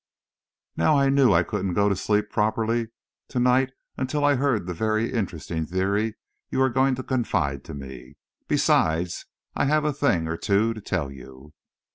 Now I knew I couldn't go to sleep properly to night until I had heard the very interesting theory you are going to confide to me. Besides, I have a thing or two to tell you."